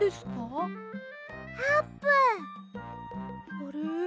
あれ？